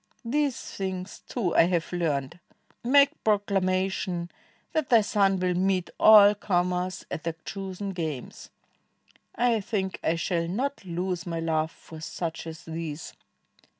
"These things, too. I have learned ; Make proclamation that thy son will meet AU comers at their chosen games. I think I shall not lose my love for such as these."'